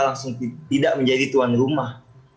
langsung tidak menjadi tuan rumah